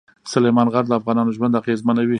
سلیمان غر د افغانانو ژوند اغېزمنوي.